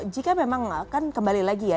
jika memang kan kembali lagi ya